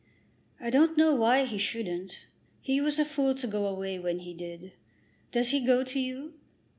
"I don't know why he shouldn't. He was a fool to go away when he did. Does he go to you?"